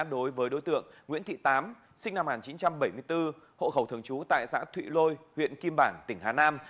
đối với đối tượng nguyễn thị tám sinh năm một nghìn chín trăm bảy mươi bốn hộ khẩu thường trú tại xã thụy lôi huyện kim bản tỉnh hà nam